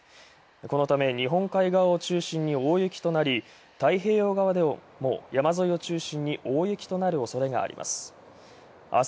このため日本海側を中心に大雪となり、太平洋側でも山地中心に大雪となる恐れがあります。